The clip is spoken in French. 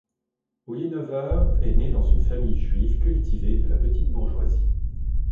Ulinover est née dans une famille juive cultivée de la petite bourgeoisie.